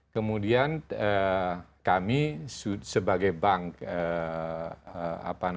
kemudian kami sebagai bank yang juga mensupport implementasi dari isg